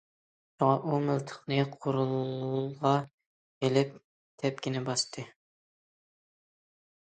شۇڭا ئۇ مىلتىقىنى قورۇلغا ئېلىپ تەپكىنى باستى.